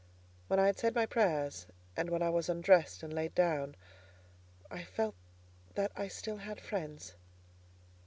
When I had said my prayers, and when I was undressed and laid down, I felt that I still had friends.